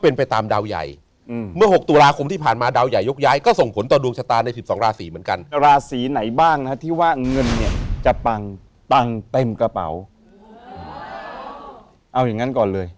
ว่าเงินเนี่ยจะปังปังเต็มกระเป๋าเอาอย่างงั้นก่อนเลย